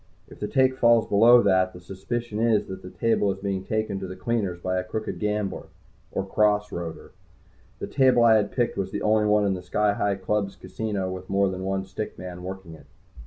If the take falls below that, the suspicion is that the table is being taken to the cleaners by a crooked gambler, or "cross roader." The table I had picked was the only one in the Sky Hi Club's casino with more than one stick man working it.